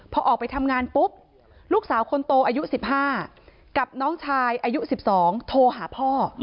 พอออกไปทำงานปุ๊บลูกสาวคนโตอายุ๑๕กับน้องชายอายุ๑๒โทรหาพ่อ